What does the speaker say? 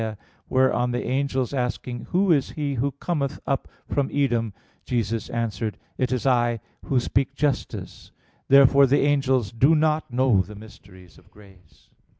63:1, where, on the angels asking, "Who is he who cometh up from Edom?" Jesus answered, "It is I, Who speak justice." Therefore the angels do not know mysteries of grace.